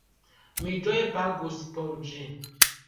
Mi ĝoje pagus por ĝi!